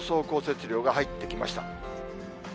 降雪量が入ってきました。